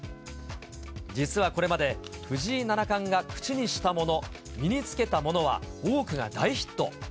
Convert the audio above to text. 実はこれまで、藤井七冠が口にしたもの、身につけたものは、多くが大ヒット。